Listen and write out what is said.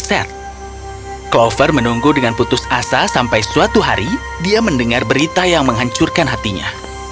clover menunggu dengan putus asa sampai suatu hari dia mendengar berita yang menghancurkan hatinya